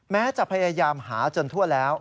แม้จะพยายามหาจนทั่วแล้ว